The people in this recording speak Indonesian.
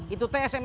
itu teh sms pernah